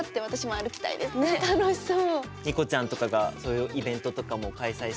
楽しそう。